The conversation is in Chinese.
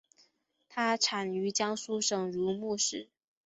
它产于江苏省如皋市。